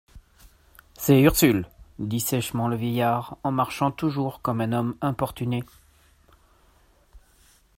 C’est Ursule, dit sèchement le vieillard en marchant toujours comme un homme importuné.